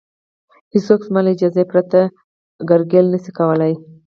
هېڅوک زما له اجازې پرته کرکیله نشي کولی